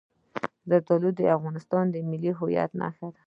زردالو د افغانستان د ملي هویت نښه ده.